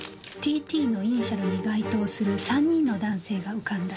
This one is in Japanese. Ｔ．Ｔ のイニシャルに該当する３人の男性が浮かんだ